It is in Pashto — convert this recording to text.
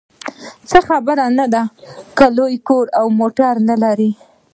هېڅ خبره نه ده که لوی کور او موټر نلرئ.